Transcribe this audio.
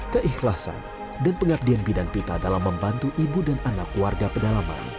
keikhlasan dan pengabdian bidang pita dalam membantu ibu dan anak warga pedalaman